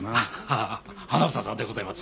ああ花房さんでございます。